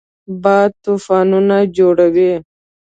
باد طوفان جوړوي